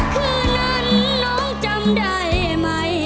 คืนนั้นน้องจำได้ไหม